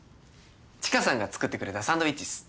知花さんが作ってくれたサンドイッチっす。